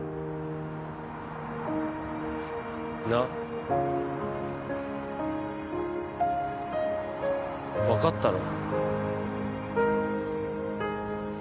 なっ分かったろ？